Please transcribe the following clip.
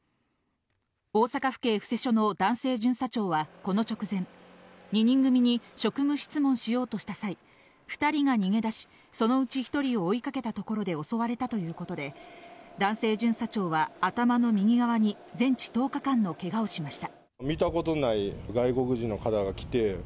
大阪府警布施署の男性巡査長は、この直前、２人組に職務質問しようとした際、２人が逃げ出し、その内、１人を追いかけたところで襲われたということで、男性巡査長は頭の右側に全治１０日間のけがをしました。